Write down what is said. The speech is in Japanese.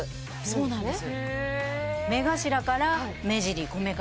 そうなんです。